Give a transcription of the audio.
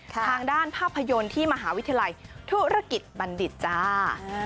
ทางด้านภาพยนตร์ที่มหาวิทยาลัยธุรกิจบัณฑิตจ้า